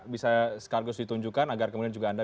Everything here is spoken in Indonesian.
bisa sekaligus ditunjukkan agar kemudian juga anda